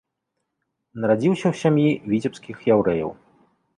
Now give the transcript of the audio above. Нарадзіўся ў сям'і віцебскіх яўрэяў.